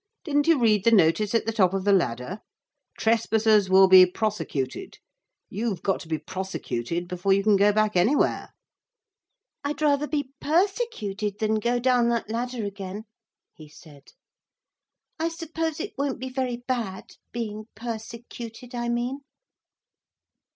Didn't you read the notice at the top of the ladder? Trespassers will be prosecuted. You've got to be prosecuted before you can go back anywhere.' 'I'd rather be persecuted than go down that ladder again,' he said. 'I suppose it won't be very bad being persecuted, I mean?'